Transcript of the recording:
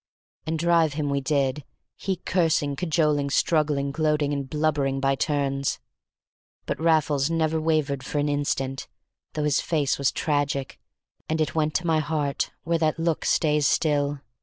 And drive him we did, he cursing, cajoling, struggling, gloating, and blubbering by turns. But Raffles never wavered for an instant, though his face was tragic, and it went to my heart, where that look stays still.